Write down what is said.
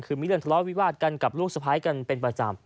คือมีเรื่องทะเลาะวิวาดกันกับลูกสะพ้ายกันเป็นประจำ